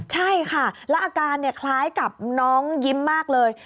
ใช่ค่ะแล้วอาการคล้ายกับน้องยิ้มมากเลย